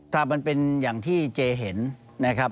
ถ้ามันเป็นอย่างที่เจเห็นนะครับ